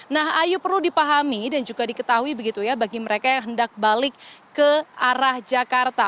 nah ayu perlu dipahami dan juga diketahui begitu ya bagi mereka yang hendak balik ke arah jakarta